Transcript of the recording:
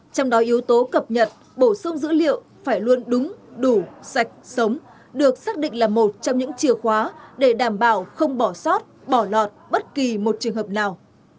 trong đó yếu tố cập nhật bổ sung dữ liệu phải luôn đúng đủ sạch sống được xác định là một trong những chìa khóa để đảm bảo không bỏ sót bỏ lọt bất kỳ một trường hợp nào